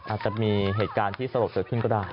อาจจะมีเหตุการณ์ที่สลดเกิดขึ้นก็ได้